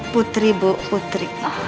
putri bu putri